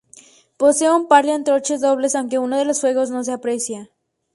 Posee un par de antorchas dobles, aunque uno de los fuegos no se aprecia.